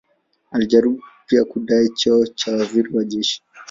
Alijaribu pia kudai cheo cha waziri wa jeshi.